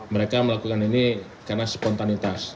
mereka melakukan ini karena spontanitas